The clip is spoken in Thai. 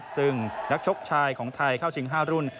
ซึ่งนักชกชายของไทยเข้าชิง๕รุ่น